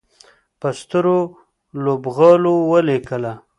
په سترو لوبغالو ولیکه